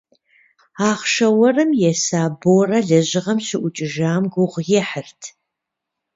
Ахъшэ уэрым еса Борэ лэжьыгъэм щыӏукӏыжам гугъу ехьырт.